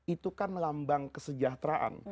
itu kan lambang kesejahteraan